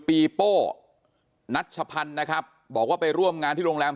ปีโป้นัชพันธ์นะครับบอกว่าไปร่วมงานที่โรงแรม